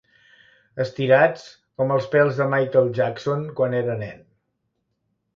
Estirats com els pèls de Michael Jackson quan era nen.